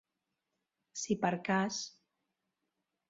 Si per cas.